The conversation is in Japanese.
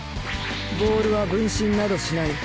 ボールは分身などしない。